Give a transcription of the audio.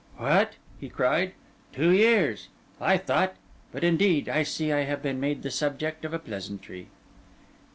"What!" cried he, "two years! I thought—but indeed I see I have been made the subject of a pleasantry."